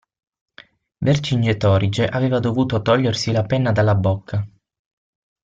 Vercingetorige aveva dovuto togliersi la penna dalla bocca.